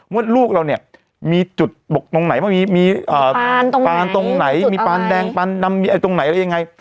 ว่าลูกเราเนี่ยมีจุดบกตรงไหนว่ามีปานตรงไหนมีปานแดงปานดำมีตรงไหนอะไรยังไง